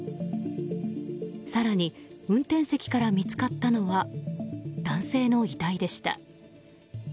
更に、運転席から見つかったのは男性の遺体でした。